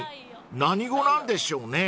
何語なんでしょうね］